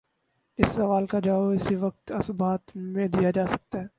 اس سوال کا جواب اسی وقت اثبات میں دیا جا سکتا ہے۔